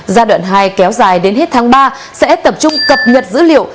giai đoạn hai kéo dài đến hết tháng ba sẽ tập trung cập nhật dữ liệu